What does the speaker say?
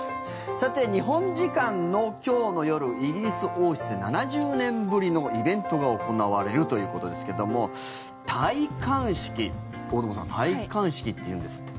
さて、日本時間の今日の夜イギリス王室で７０年ぶりのイベントが行われるということですけれども戴冠式、大友さん戴冠式っていうんですって。